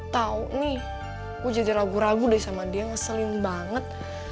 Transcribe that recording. tau nih gue jadi ragu ragu deh sama dia ngeselin banget